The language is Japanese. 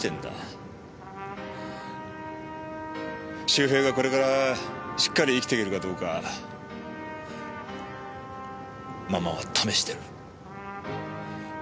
周平がこれからしっかり生きていけるかどうかママは試してる。